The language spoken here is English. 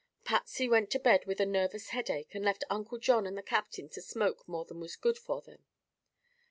Patsy went to bed with a nervous headache and left Uncle John and the captain to smoke more than was good for them.